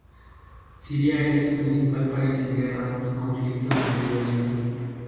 Siria es el principal país en guerra y conflicto de Medio Oriente.